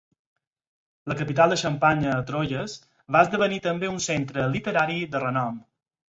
La capital de la Xampanya a Troyes va esdevenir també un centre literari de renom.